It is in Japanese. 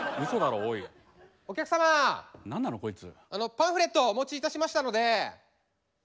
パンフレットお持ちいたしましたので。